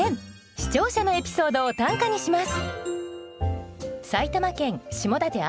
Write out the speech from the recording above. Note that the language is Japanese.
視聴者のエピソードを短歌にします。